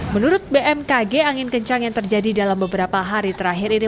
menurut bmkg angin kencang yang terjadi dalam beberapa hari terakhir ini